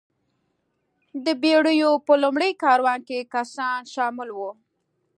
د بېړیو په لومړي کاروان کې کسان شامل وو.